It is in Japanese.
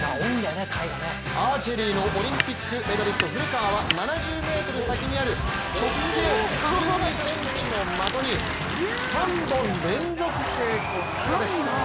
アーチェリーのオリンピックメダリスト、古川は７０ｍ先にある直径１２ｃｍの的に３本連続成功、さすがです。